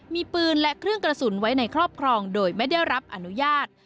มีปืนและเครื่องกระสุนไว้ในครอบครองโดยไม่ได้รับอนุญาต